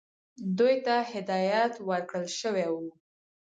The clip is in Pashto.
دوی ته هدایت ورکړل شوی وو.